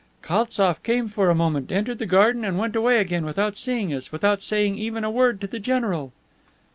"Kaltsof came for a moment, entered the garden and went away again without seeing us, without saying even a word to the general."